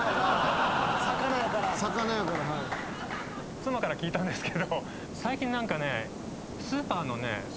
妻から聞いたんですけど最近何かねスーパーの。